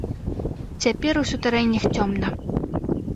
Цяпер у сутарэннях цёмна.